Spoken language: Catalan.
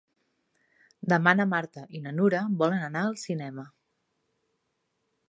Demà na Marta i na Nura volen anar al cinema.